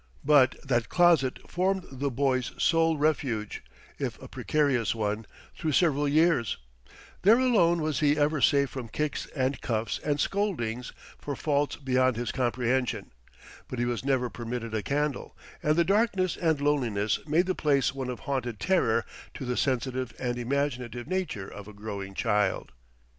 But that closet formed the boy's sole refuge, if a precarious one, through several years; there alone was he ever safe from kicks and cuffs and scoldings for faults beyond his comprehension; but he was never permitted a candle, and the darkness and loneliness made the place one of haunted terror to the sensitive and imaginative nature of a growing child.